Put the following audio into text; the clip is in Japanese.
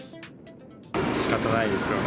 しかたないですよね。